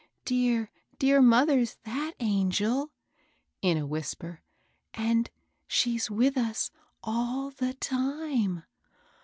Dear, dear mother's that angel," in a whis per ;" and she's with us all the time."